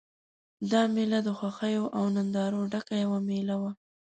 دا مېله د خوښیو او نندارو ډکه یوه مېله وه.